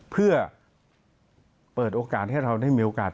เพื่อเปิดโอกาสให้เราได้มีโอกาส